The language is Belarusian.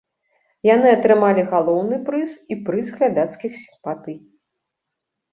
Яны атрымалі галоўны прыз і прыз глядацкіх сімпатый.